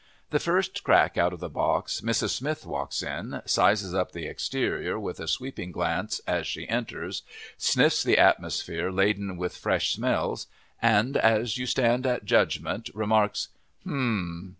The first crack out of the box Mrs. Smith walks in, sizes up the exterior with a sweeping glance as she enters, sniffs the atmosphere laden with fresh smells and as you stand at judgment remarks: "H'm!"